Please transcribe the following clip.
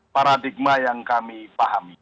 paradigma yang kami lakukan ini adalah